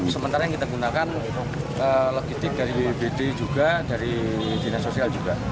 sementara yang kita gunakan logistik dari bbd juga dari dinas sosial juga